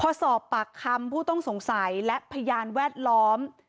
พอสอบปากคำผู้ต้องสงสัยและพยานแวดล้อม